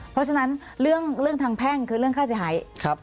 เพราะฉะนั้นเรื่องทางแพ่งคือเรื่องค่าเสียหาย